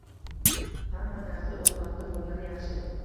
Hamma narsa o`z vaqtida bo`lgani yaxshi